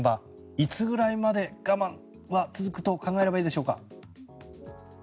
いつぐらいまで我慢は続くと考えればいいでしょうか。